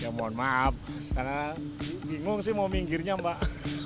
ya mohon maaf karena bingung sih mau minggirnya mbak